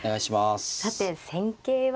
さて戦型は。